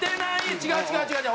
違う違う違う違う！